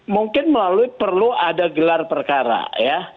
mungkin melalui perlu ada gelar perkara ya